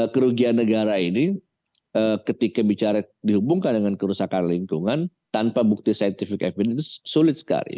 kerugian negara ini ketika bicara dihubungkan dengan kerusakan lingkungan tanpa bukti scientific evidence itu sulit sekali